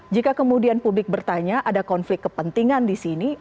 jika kemudian publik bertanya ada konflik kepentingan disini